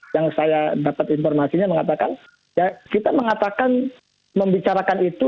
yang saya dapat informasinya mengatakan ya kita mengatakan membicarakan itu